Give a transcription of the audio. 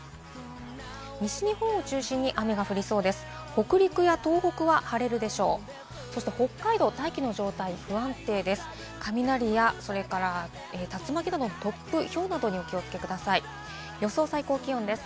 西日本を中心に雨が降りそうです。